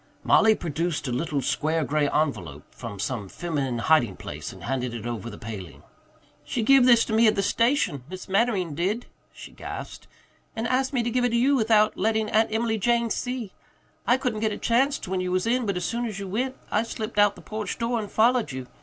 Mollie produced a little square grey envelope from some feminine hiding place and handed it over the paling. "She give me this at the station Miss Mannering did," she gasped, "and asked me to give it to you without letting Aunt Emily Jane see. I couldn't get a chanst when you was in, but as soon as you went I slipped out by the porch door and followed you.